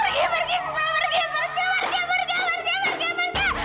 pergi pergi pergi pergi pergi pergi pergi pergi pergi